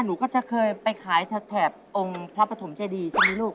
หนูก็จะเคยไปขายแถบองค์พระปฐมเจดีใช่ไหมลูก